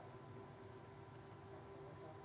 ya jadi artinya memang